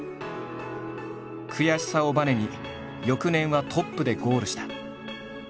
悔しさをばねに翌年はトップでゴールした。